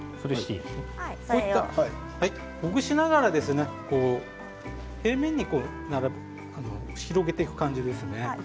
ほぐしながら平面に広げていく感じですね。